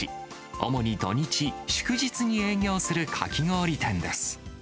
主に土日、祝日に営業するかき氷店です。